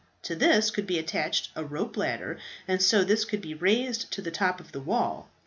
To this could be attached a rope ladder, and so this could be raised to the top of the wall.